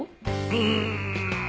うん。